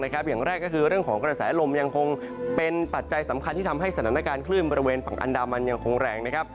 อย่างแรกก็คือเรื่องของกระแสลมยังคงเป็นปัจจัยสำคัญที่ทำให้สถานการณ์คลื่นบริเวณฝั่งอันดามันยังคงแรงนะครับ